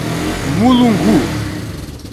Mulungu